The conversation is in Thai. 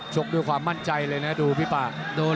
ด้วยความมั่นใจเลยนะดูพี่ป่า